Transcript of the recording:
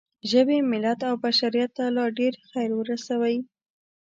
ژبې، ملت او بشریت ته لا ډېر خیر ورسوئ.